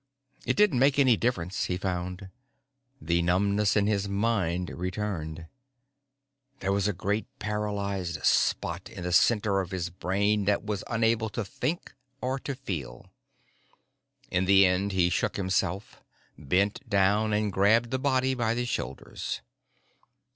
It didn't make any difference, he found. The numbness in his mind remained. There was a great paralyzed spot in the center of his brain that was unable to think or to feel. In the end, he shook himself, bent down and grabbed the body by the shoulders.